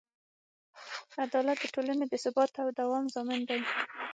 عدالت د ټولنې د ثبات او دوام ضامن دی.